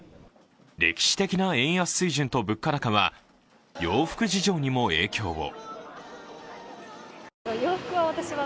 歴史的な円安水準と物価高は洋服事情にも影響を。